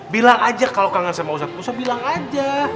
bilang aja kalau kangen sama ustadz bilang aja